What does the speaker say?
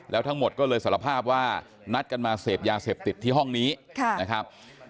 แล้วทั้งหมดก็เลยสารภาพว่านัดกันมาเสพยาเสพติดที่ห้องนี้นะครับ